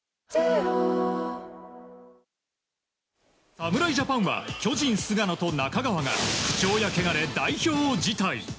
侍ジャパンは巨人、菅野と中川が不調やけがで代表を辞退。